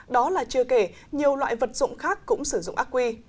đó là chưa kể nhiều loại vật dụng khác cũng sử dụng ác quy